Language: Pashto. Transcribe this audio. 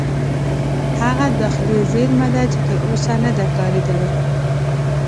هغه داخلي زیرمه ده چې تر اوسه نه ده کارېدلې.